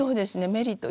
メリット